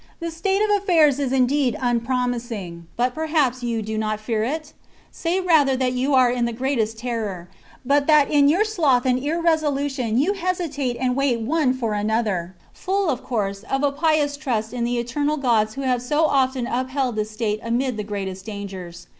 The state of affairs is indeed unpromising, but perhaps you do not fear it } Say rather that you are in the greatest terror, but that in your sloth and irresolution you hesi tate and wait one for another, full, of course, of a pious THE CONSPIRACY OF CATILINE. 53 trust in the eternal gods who have so often upheld ^fff this state amid the greatest dangers.